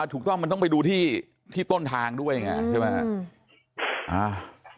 ถูกต้องมันต้องไปดูที่ต้นทางด้วยไงใช่ไหม